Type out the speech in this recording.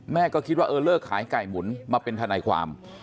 ก็คิดว่าเออเลิกขายไก่หมุนมาเป็นทนายความ